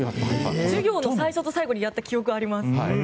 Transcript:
授業の最初と最後にやった記憶あります。